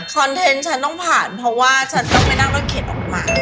เทนต์ฉันต้องผ่านเพราะว่าฉันต้องไปนั่งรถเข็นออกมา